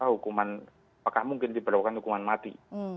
hukuman apakah mungkin diperlakukan hukuman mati